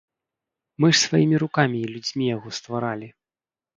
Мы ж сваімі рукамі і людзьмі яго стваралі.